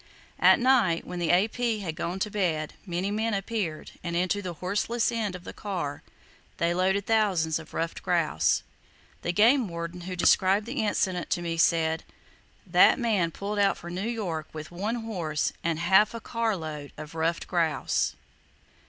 At night, when the A.P. had gone to bed, many men appeared, and into the horseless end of that car, they loaded thousands of ruffed grouse. The game warden who described the incident to me said: "That man pulled out for New York with one horse and half a car load of ruffed grouse!"